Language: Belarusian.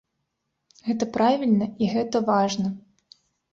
Гэта правільна і гэта важна.